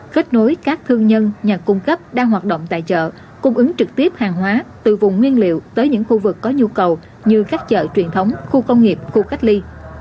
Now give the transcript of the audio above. kết nối các thương nhân nhà cung cấp đang hoạt động tại chợ cung ứng trực tiếp hàng hóa từ vùng nguyên liệu tới những khu vực có nhu cầu như các chợ truyền thống khu công nghiệp khu cách ly